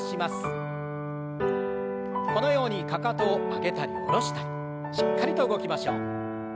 このようにかかとを上げたり下ろしたりしっかりと動きましょう。